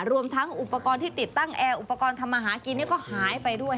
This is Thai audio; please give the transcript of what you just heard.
รวมทั้งอุปกรณ์ที่ติดตั้งแอร์อุปกรณ์ทำมาหากินก็หายไปด้วย